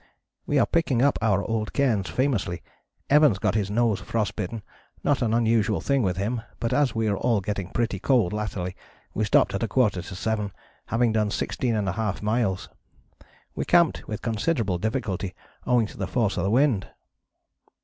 "We are picking up our old cairns famously. Evans got his nose frost bitten, not an unusual thing with him, but as we were all getting pretty cold latterly we stopped at a quarter to seven, having done 16½ miles. We camped with considerable difficulty owing to the force of the wind."